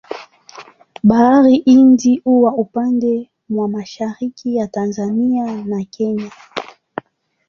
Bahari Hindi huwa upande mwa mashariki ya Tanzania na Kenya.